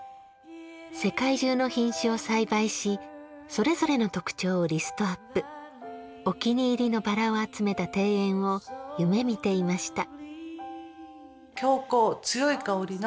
世界中の品種を栽培しそれぞれの特徴をリストアップお気に入りのバラを集めた庭園を夢みていました。